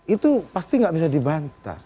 itu pasti nggak bisa dibantah